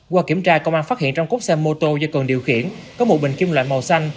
qua kiểm tra công an phát hiện trong cốc xe mô tô do cường điều khiển có một bình kim loại màu xanh